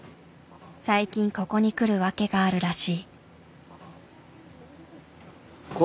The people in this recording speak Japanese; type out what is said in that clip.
最近ここに来る訳があるらしい。